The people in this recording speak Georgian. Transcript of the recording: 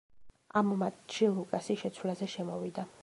ამ მატჩში ლუკასი შეცვლაზე შემოვიდა.